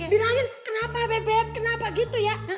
bilangin kenapa bebek kenapa gitu ya